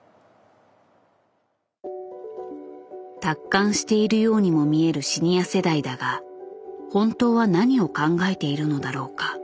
達観しているようにも見えるシニア世代だが本当は何を考えているのだろうか。